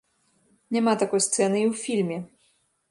Няма такой сцэны і ў фільме.